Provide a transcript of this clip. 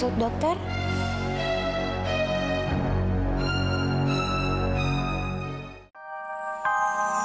suara kitar tujuannya